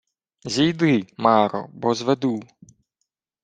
— Зійди, маро, бо зведу...